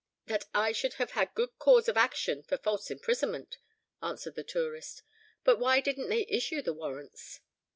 "That I should have had good cause of action for false imprisonment," answered the tourist. "But why didn't they issue the warrants?"